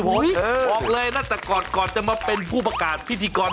บอกเลยนะแต่ก่อนก่อนจะมาเป็นผู้ประกาศพิธีกร